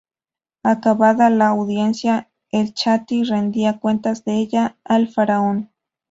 Acabada la audiencia, el chaty rendía cuentas de ella al faraón.